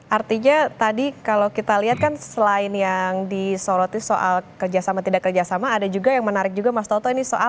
artinya tadi kalau kita lihat kan selain yang disoroti soal kerjasama tidak kerjasama ada juga yang menarik juga mas toto ini soal